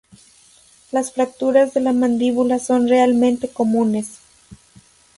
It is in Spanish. Las fracturas de la mandíbula son relativamente comunes.